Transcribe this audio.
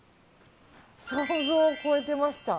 想像を超えてました。